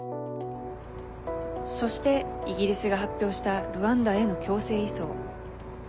そして、イギリスが発表したルワンダへの強制移送。